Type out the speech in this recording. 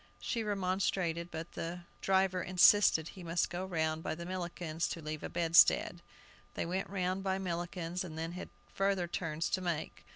She remonstrated, but the driver insisted he must go round by Millikin's to leave a bedstead. They went round by Millikin's, and then had further turns to make.